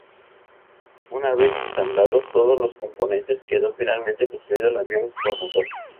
Una vez ensamblados todos los componentes, quedó finalmente construido el avión con motor.